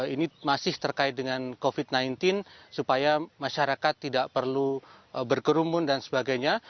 ini masih terkait dengan covid sembilan belas supaya masyarakat tidak perlu berkerumun dan sebagainya